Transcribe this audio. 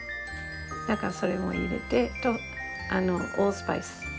だからそれも入れてオールスパイス。